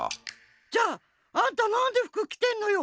じゃああんたなんで服きてんのよ？